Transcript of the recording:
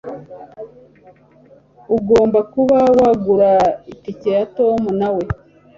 Ugomba kuba wagura itike ya Tom, nawe.